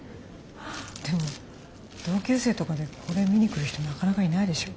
でも同級生とかでこれ見に来る人なかなかいないでしょう？